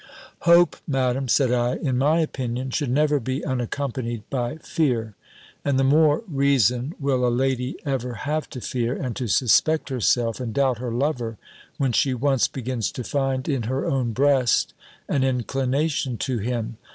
"Hope, Madam," said I, "in my opinion, should never be unaccompanied by fear; and the more reason will a lady ever have to fear, and to suspect herself, and doubt her lover, when she once begins to find in her own breast an inclination to him.